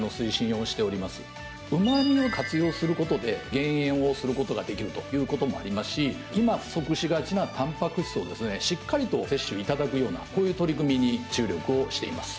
うま味を活用することで減塩をすることができるということもありますし今不足しがちなタンパク質をですねしっかりと摂取いただくようなこういう取り組みに注力をしています。